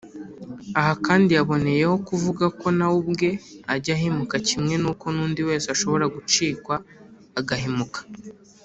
Aha kandi yaboneyeho kuvuga ko nawe ubwe ajya ahemuka kimwe n'uko n'undi wese ashobora gucikwa agahemuka